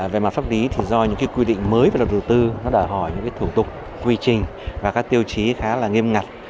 về mặt pháp lý thì do những quy định mới về luật đầu tư nó đòi hỏi những thủ tục quy trình và các tiêu chí khá là nghiêm ngặt